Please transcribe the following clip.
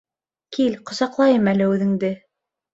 Кил, ҡосаҡлайым әле үҙеңде.